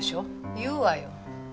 言うわよ。